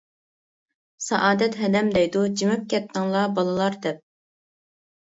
سائادەت ھەدەم دەيدۇ، جىمىپ كەتتىڭلار بالىلار دەپ.